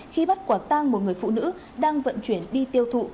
khi bắt quả tang một người phụ nữ đang vận chuyển đi tiêu thụ